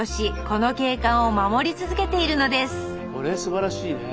これすばらしいね。